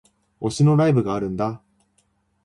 推しのライブがあるんだ